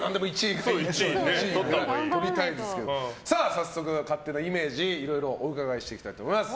早速、勝手なイメージいろいろお伺いしていきたいと思います。